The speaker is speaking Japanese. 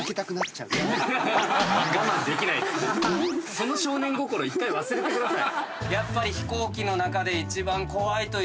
その少年心一回忘れてください。